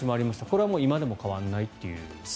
これは今でも変わらないという。